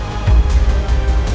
sampai jumpa lagi